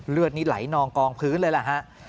เลือดนี่ไหลนองกองพื้นเลยล่ะฮะ